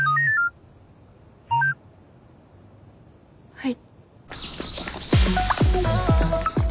はい。